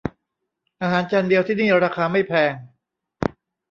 อาหารจานเดียวที่นี่ราคาไม่แพง